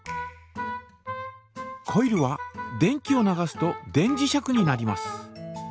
コイルは電気を流すと電磁石になります。